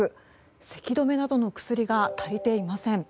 せき止めなどの薬が足りていません。